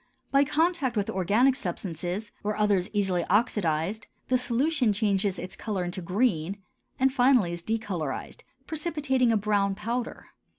By contact with organic substances, or others easily oxidized, the solution changes its color into green and finally is decolorized, precipitating a brown powder.